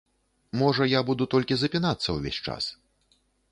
Можа, я буду толькі запінацца ўвесь час?